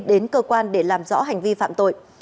đến cơ quan để làm rõ hành vi phạm tội